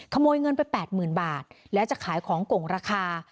ขโมยเงินไป๘๐๐๐บาทและจะขายของกงราคา